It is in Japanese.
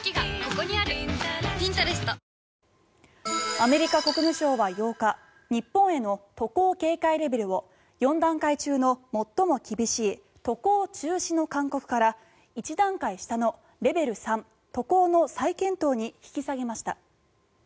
アメリカ国務省は８日日本への渡航警戒レベルを４段階中の最も厳しい渡航中止の勧告から１段階下のレベル３、渡航の再検討に引き下げました。